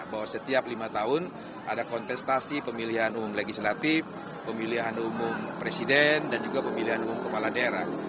bahwa setiap lima tahun ada kontestasi pemilihan umum legislatif pemilihan umum presiden dan juga pemilihan umum kepala daerah